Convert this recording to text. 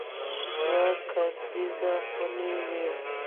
دوه کسیزه خونې وې.